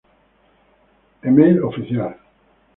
Email oficial